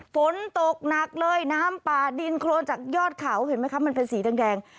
ฝนตกหนักเลยน้ำป่าดินโครนจากยอดเขาเห็นไหมคะมันเป็นสีแดง